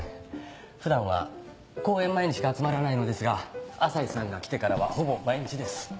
普段は公演前にしか集まらないのですが朝陽さんが来てからはほぼ毎日です。